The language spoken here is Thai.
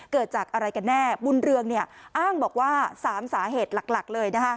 เกิดจากอะไรกันแน่บุญเรืองเนี่ยอ้างบอกว่าสามสาเหตุหลักหลักเลยนะคะ